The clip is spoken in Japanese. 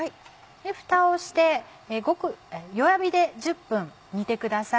ふたをして弱火で１０分煮てください。